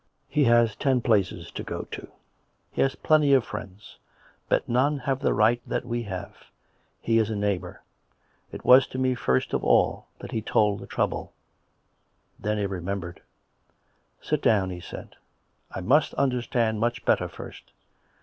" He has ten places to go to. He has plenty of friends. But none have the right that we have. He is a neighbour; it was to me, first of all, that he told the trouble." Then he remembered. " Sit down," he said. " I must understand much better first.